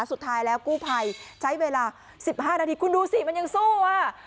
สุดท้ายแล้วกู้ภัยใช้เวลา๑๕นาทีคุณดูสิมันยังสู้อ่ะ